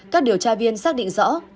các điều tra viên xác định rõ